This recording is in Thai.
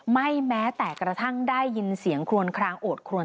ไม่แม้แตกระทั่งได้ยินเสียงครวลครางโอน